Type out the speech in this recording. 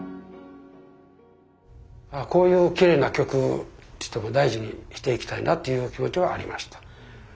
あこういうきれいな曲とても大事にしていきたいなという気持ちはありました。